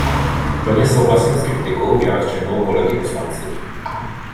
Plně souhlasím s kritikou vyjádřenou kolegy poslanci.